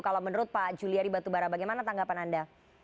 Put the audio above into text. kalau menurut pak juliari batubara bagaimana tanggapan anda